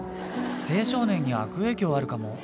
青少年に悪影響あるかも。